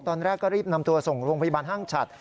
ตอนแรกก็รีบนำตัวส่งโรงพยาบาลห้างฉัด